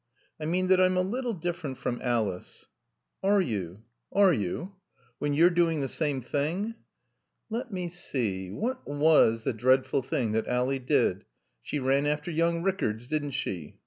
"I mean that I'm a little different from Alice." "Are you? Are you? When you're doing the same thing?" "Let me see. What was the dreadful thing that Ally did? She ran after young Rickards, didn't she?